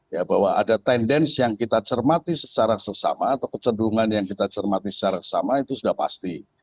ya bahwa ada tendensi yang kita cermati secara sesama atau kecendungan yang kita cermati secara sesama itu sudah pasti